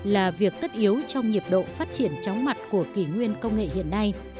là việc tất yếu trong nhịp độ phát triển chóng mặt của kỷ nguyên công nghệ hiện nay